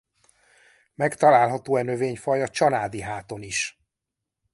Megtalálható e növényfaj a Csanádi-háton is.